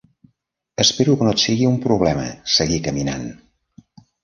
"Espero que no et sigui un problema seguir caminant".